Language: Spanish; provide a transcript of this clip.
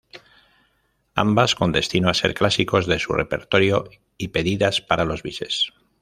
Ambas con destino a ser clásicos de su repertorio y pedidas para los bises.